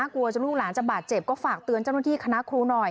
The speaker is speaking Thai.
กลัวจนลูกหลานจะบาดเจ็บก็ฝากเตือนเจ้าหน้าที่คณะครูหน่อย